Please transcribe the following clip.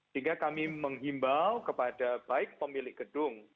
sehingga kami menghimbau kepada baik pemilik gedung